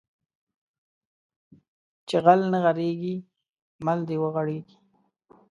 چې غل نه غېړيږي مل د وغړيږي